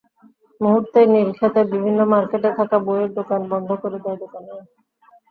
মুহূর্তেই নীলক্ষেতে বিভিন্ন মার্কেটে থাকা বইয়ের দোকান বন্ধ করে দেন দোকানিরা।